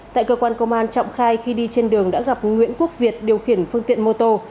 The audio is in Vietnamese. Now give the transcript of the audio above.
tại cơ quan công an trọng khai khi đi trên đường đã gặp nguyễn quốc việt điều khiển phương tiện mô tô